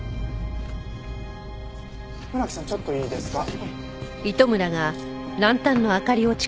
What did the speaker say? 村木さんちょっといいですか。